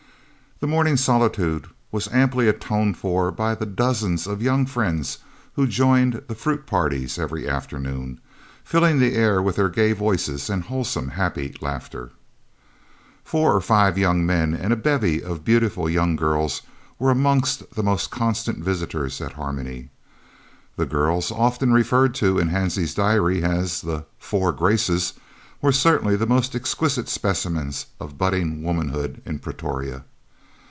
The morning solitude was amply atoned for by the dozens of young friends who joined the "fruit parties" every afternoon, filling the air with their gay voices and wholesome, happy laughter. [Illustration: THE SIX WILLOWS, HARMONY.] Four or five young men and a bevy of beautiful young girls were amongst the most constant visitors at Harmony. The girls, often referred to in Hansie's diary as the "Four Graces," were certainly the most exquisite specimens of budding womanhood in Pretoria.